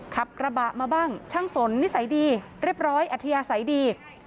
ขับกระบะมาบ้างช่างสนนิสัยดีเรียบร้อยอัธยาศัยดี